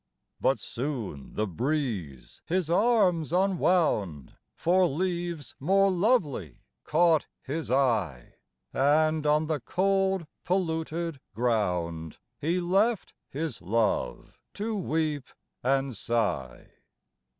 But soon die breeze his anus tmwound ; For Iflawcs mOFc loiwdy caught his eye. And on the cold polluted ground He left his love to weep and sigh.